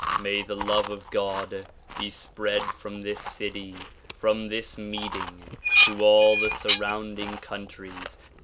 ]\Iay the love of God be spread from this city, from this meeting to all the surrounding countries.